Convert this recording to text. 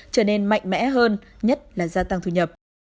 trở nên mạnh mẽ hơn nhất là gia tăng thu nhập